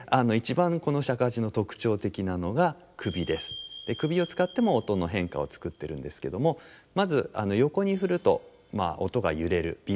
首を使っても音の変化を作ってるんですけどもまず横に振ると音が揺れるビブラートですね